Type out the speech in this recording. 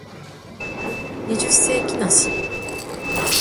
二十世紀梨